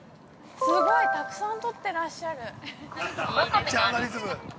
◆すごいたくさん取ってらっしゃる。